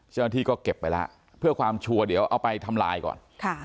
เจ้าหน้าที่ก็เก็บไปแล้วเพื่อความชัวร์เดี๋ยวเอาไปทำลายก่อน